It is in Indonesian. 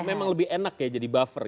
atau itu memang lebih enak ya jadi buffer